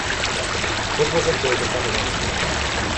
Podvozek byl zatahovací.